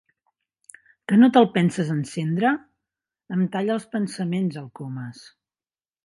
Que no te'l penses encendre? —em talla els pensaments el Comas.